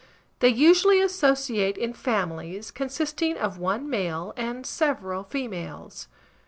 They usually associate in families, consisting of one male and several females.